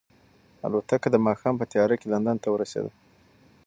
الوتکه د ماښام په تیاره کې لندن ته ورسېده.